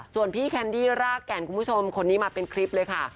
ส่วนพี่แคนดี้รากแก่นคุณผู้ชมคนนี้มาเป็นคลิปเลยค่ะ